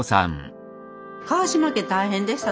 川島家大変でした